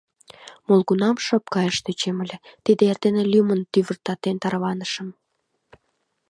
Молгунам шып каяш тӧчем ыле, тиде эрдене лӱмын тӱвыртатен тарванышым.